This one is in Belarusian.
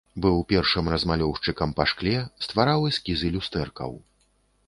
Быў першым размалёўшчыкам па шкле, ствараў эскізы люстэркаў.